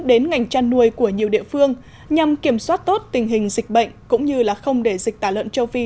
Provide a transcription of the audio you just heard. đến ngành chăn nuôi của nhiều địa phương nhằm kiểm soát tốt tình hình dịch bệnh cũng như không để dịch tả lợn châu phi